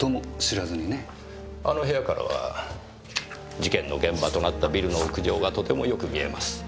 あの部屋からは事件の現場となったビルの屋上がとてもよく見えます。